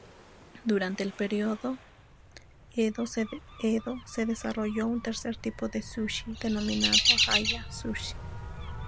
Durante el período Edo, se desarrolló un tercer tipo de sushi, denominado "haya-zushi".